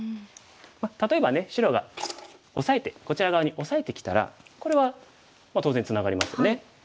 例えばね白がオサえてこちら側にオサえてきたらこれはまあ当然ツナがりますよね。